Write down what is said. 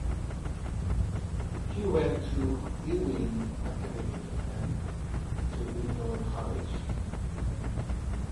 He went to Ewing Academy and to Illinois College.